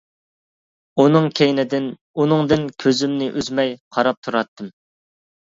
ئۇنىڭ كەينىدىن، ئۇنىڭدىن كۆزۈمنى ئۈزمەي قاراپ تۇراتتىم.